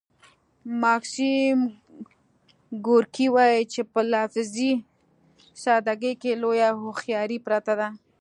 ماکسیم ګورکي وايي چې په لفظي ساده ګۍ کې لویه هوښیاري پرته ده